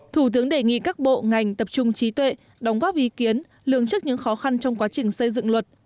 thủ tướng đề nghị các bộ ngành tập trung trí tuệ đóng góp ý kiến lường trước những khó khăn trong quá trình xây dựng luật